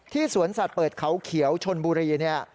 ที่สวนสัตว์เปิดเขาเขียวชนบุรี